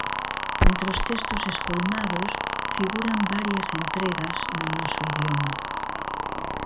Entre os textos escolmados figuran varias entregas no noso idioma.